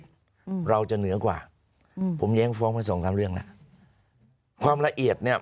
อืมเราจะเหนือกว่าอืมผมแย้งฟ้องไปสองสามเรื่องแล้วความละเอียดเนี้ย